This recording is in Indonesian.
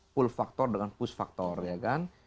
pull faktor dengan push factor ya kan